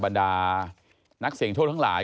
บรรดานักเสี่ยงโชคทั้งหลาย